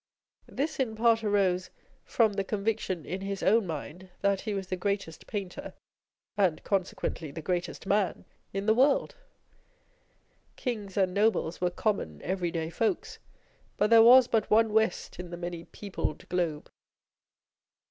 This in part arose from the conviction in his own mind that he was the greatest painter (and consequently the greatest man) in the world : kings and nobles were common everyday folks, but there was but one West in the many peopled globe.